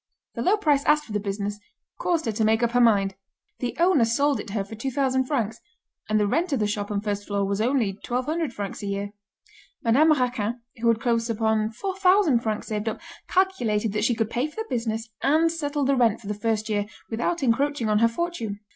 The low price asked for the business, caused her to make up her mind. The owner sold it her for 2,000 francs, and the rent of the shop and first floor was only 1,200 francs a year. Madame Raquin, who had close upon 4,000 francs saved up, calculated that she could pay for the business and settle the rent for the first year, without encroaching on her fortune.